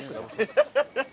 ハハハハ！